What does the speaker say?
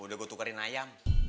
udah gue tukarin ayam